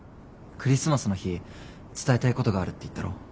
クリスマスの日伝えたいことがあるって言ったろ？